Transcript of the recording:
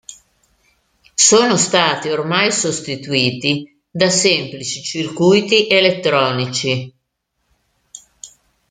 Sono stati ormai sostituiti da semplici circuiti elettronici.